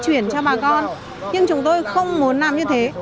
chúng tôi muốn chuyển cho bà con nhưng chúng tôi không muốn làm như thế